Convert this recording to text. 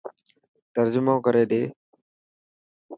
ترجمو ڪري ڏي.